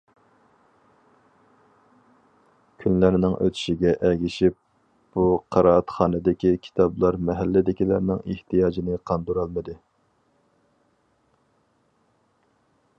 كۈنلەرنىڭ ئۆتۈشىگە ئەگىشىپ، بۇ قىرائەتخانىدىكى كىتابلار مەھەللىدىكىلەرنىڭ ئېھتىياجىنى قاندۇرالمىدى.